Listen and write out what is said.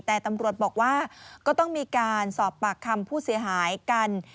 แต่ตำรวจบอกว่าก็ต้องมีการสอบปากคำผู้เสียหายกัน